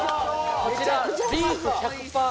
こちらビーフ１００％